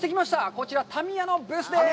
こちら、タミヤのブースです。